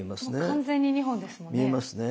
完全に２本ですもんね。